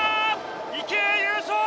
池江、優勝！